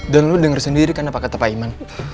dan lu denger sendiri karena pak kata pak iman